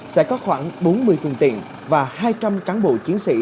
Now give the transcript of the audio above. sẽ có khoảng bốn mươi phương tiện và hai trăm linh cán bộ chiến sĩ